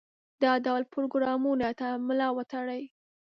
دا ډول پروګرامونو ته ملا وتړي.